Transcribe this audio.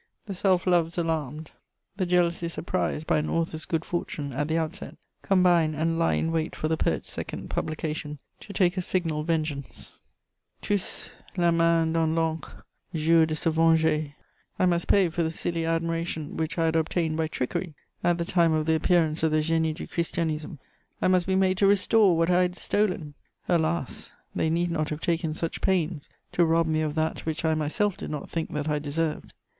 The self loves alarmed, the jealousies surprised by an author's good fortune at the outset combine and lie in wait for the poet's second publication, to take a signal vengeance: Tous, la main dans l'encre, jurent de se venger. I must pay for the silly admiration which I had obtained by trickery at the time of the appearance of the Génie du Christianisme; I must be made to restore what I had stolen! Alas, they need not have taken such pains to rob me of that which I myself did not think that I deserved!